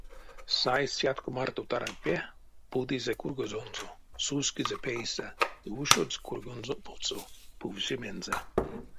Сайсь сятко марто тарад пе, путызе кургозонзо, сускизе пейсэ ды ушодсь кургонзо потсо пувсемензэ.